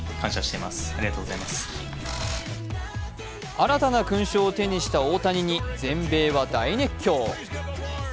新たな勲章を手にした大谷に全米は大熱狂。